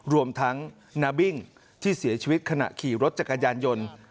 รวมทั้งนาบิ้งที่เสียชีวิตขณะขี่รถจักรยานยนต์